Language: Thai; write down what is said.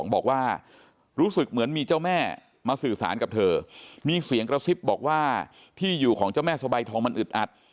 บอกว่ารู้สึกเหมือนมีเจ้าแม่มาสื่อสารกับเธอมีเสียงกระซิบบอกว่าที่อยู่ของเจ้าแม่สบายทองมันอึดอัด